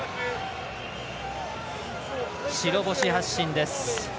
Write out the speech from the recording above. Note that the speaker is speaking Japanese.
白星発進です。